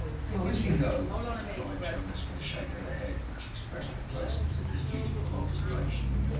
'Oh, is he though?' replied Jonas, with a shake of the head which expressed the closeness of his dutiful observation.